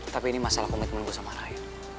tapi ini masalah komitmen gue sama ray